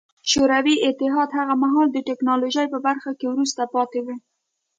شوروي اتحاد هغه مهال د ټکنالوژۍ په برخه کې وروسته پاتې و